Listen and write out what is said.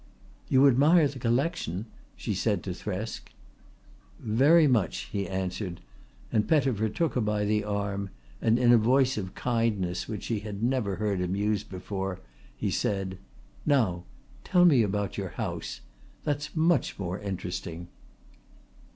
"You admire the collection?" she said to Thresk. "Very much," he answered, and Pettifer took her by the arm and in a voice of kindness which she had never heard him use before he said: "Now tell me about your house. That's much more interesting."